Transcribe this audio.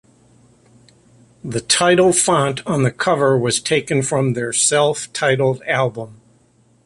The title font on the cover was taken from their self-titled album.